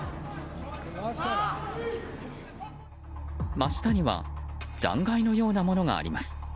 真下には残骸のようなものがあります。